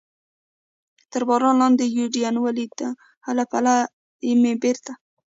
تر باران لاندې یوډین ولید، له پله څخه مې بېرته.